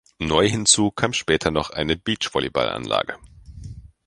Neu hinzu kam später noch eine Beachvolleyballanlage.